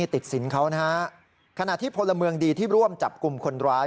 ติดสินเขานะฮะขณะที่พลเมืองดีที่ร่วมจับกลุ่มคนร้าย